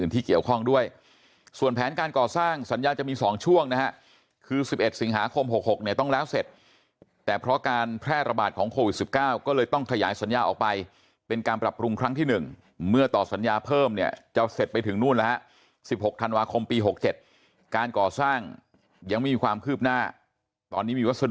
ถึงแผนการก่อสร้างสัญญาจะมีสองช่วงนะฮะคือสิบเอ็ดสิงหาคมหกหกเนี่ยต้องแล้วเสร็จแต่เพราะการแพร่ระบาดของโควิดสิบเก้าก็เลยต้องขยายสัญญาออกไปเป็นการปรับปรุงครั้งที่หนึ่งเมื่อต่อสัญญาเพิ่มเนี่ยจะเสร็จไปถึงนู่นนะฮะสิบหกธันวาคมปีหกเจ็ดการก่อสร้างยังมีความคืบหน้าตอนนี้มี